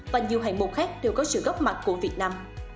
và nhiều hạng mục khác đều có sự góp mặt của việt nam